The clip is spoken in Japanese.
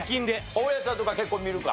大家ちゃんとか結構見るか。